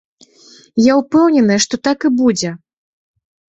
Я ўпэўнены, што так і будзе!